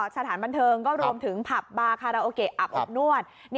สถานบันเทิงก็รวมถึงผับบาคาราโอเกะอับอบนวด